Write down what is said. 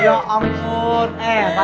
hahaha ya ampun